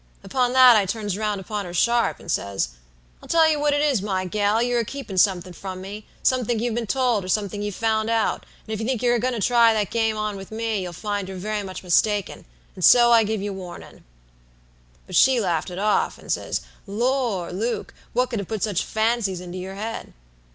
Upon that I turns round upon her sharp, and says: "I'll tell you what it is, my gal, you're a keepin' somethink from me; somethink you've been told, or somethink you've found out; and if you think you're a goin' to try that game on with me, you'll find you're very much mistaken; and so I give you warnin'." "But she laughed it off like, and says, 'Lor' Luke, what could have put such fancies into your head?'